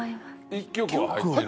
１曲は入ってる？